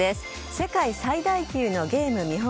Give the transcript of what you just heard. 世界最大級のゲーム見本